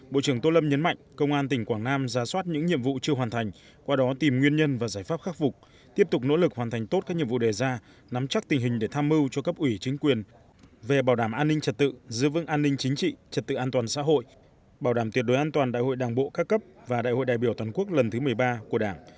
bộ trưởng tô lâm nhấn mạnh công an tỉnh quảng nam ra soát những nhiệm vụ chưa hoàn thành qua đó tìm nguyên nhân và giải pháp khắc phục tiếp tục nỗ lực hoàn thành tốt các nhiệm vụ đề ra nắm chắc tình hình để tham mưu cho cấp ủy chính quyền về bảo đảm an ninh trật tự giữ vững an ninh chính trị trật tự an toàn xã hội bảo đảm tuyệt đối an toàn đại hội đảng bộ các cấp và đại hội đại biểu toàn quốc lần thứ một mươi ba của đảng